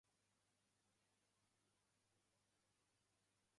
During my trip, I have visited many famous landmarks and attractions.